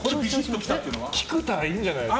菊田、いいんじゃないですか？